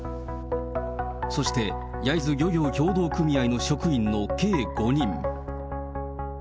そして焼津漁業協同組合の職員の計５人。